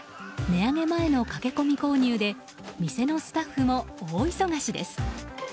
値上げ前の駆け込み購入で店のスタッフも大忙しです。